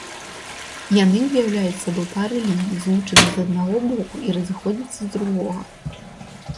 Яны ўяўляюць сабой пары ліній, злучаных з аднаго боку і разыходзяцца з другога.